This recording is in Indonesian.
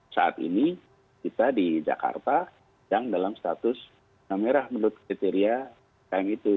saat ini kita di jakarta yang dalam status merah menurut kriteria km itu